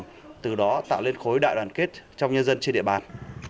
chúng tôi tuyên truyền khối đại đoàn kết trong nhân dân trên địa bàn